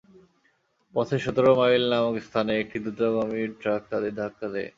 পথে সতেরো মাইল নামক স্থানে একটি দ্রুতগামির ট্রাক তাদের ধাক্কা দেয়।